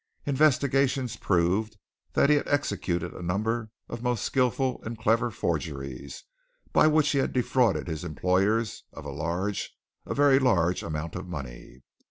Investigations proved that he had executed a number of most skilful and clever forgeries, by which he had defrauded his employers of a large a very large amount of money.